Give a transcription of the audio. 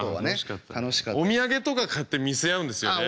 お土産とか買って見せ合うんですよね。